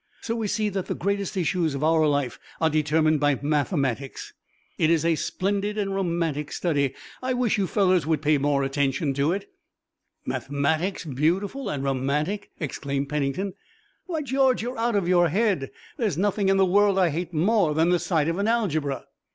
So we see that the greatest issues of our life are determined by mathematics. It's a splendid and romantic study. I wish you fellows would pay more attention to it." "Mathematics beautiful and romantic!" exclaimed Pennington. "Why, George, you're out of your head! There's nothing in the world I hate more than the sight of an algebra!"